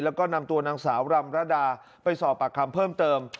แล้วก็นำตัวนางสาวรำระดาไปสอบปากคำเพิ่มเติม